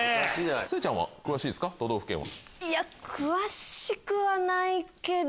詳しくはないけど。